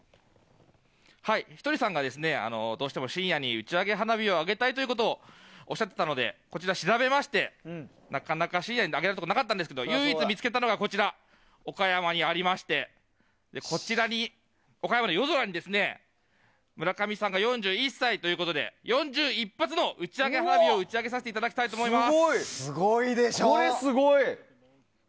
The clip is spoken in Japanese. ひとりさんがどうしても深夜に打ち上げ花火を上げたいということをおっしゃっていたのでこちら、調べましてなかなか深夜に上げられるところなかったんですけど唯一見つけられたのが岡山にありまして岡山の夜空に村上さんが４１歳ということで４１発の打ち上げ花火を打ち上げさせていただきたいと思います。